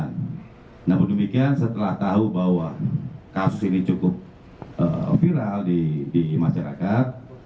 namun demikian setelah tahu bahwa kasus ini cukup viral di masyarakat